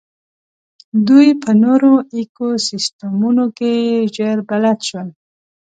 دوی په نوو ایکوسېسټمونو کې ژر بلد شول.